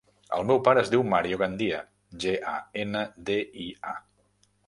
El meu pare es diu Mario Gandia: ge, a, ena, de, i, a.